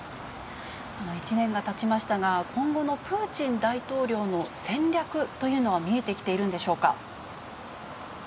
１年がたちましたが、今後のプーチン大統領の戦略というのは見えてきているんでしょう